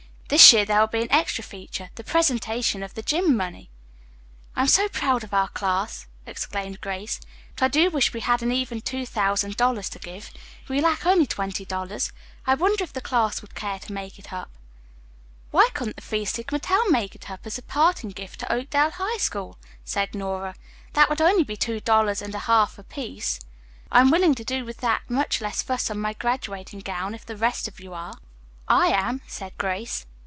This year there will be an extra feature, the presentation of the gym. money." "I am so proud of our class," exclaimed Grace, "but I do wish we had an even two thousand dollars to give. We lack only twenty dollars. I wonder if the class would care to make it up." "Why couldn't the Phi Sigma Tau make it up as a parting gift to Oakdale High School!" asked Nora. "That would be two dollars and a half apiece. I am willing to do with that much less fuss on my graduating gown, if the rest of you are." "I am," said Grace.